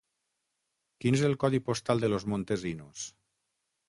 Quin és el codi postal de Los Montesinos?